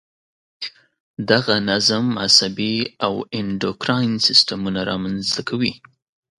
دغه نظم عصبي او انډوکراین سیستمونه را منځته کوي.